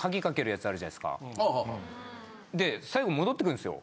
で最後戻ってくるんですよ。